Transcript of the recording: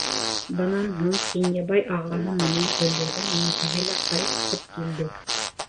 Бынан һуң Кинйәбай ағаһы менән Гөлйөҙөм еңгәһе лә ҡайтып килде.